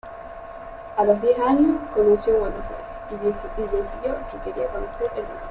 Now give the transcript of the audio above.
A los diez años, conoció Buenos Aires y decidió que quería conocer el mundo.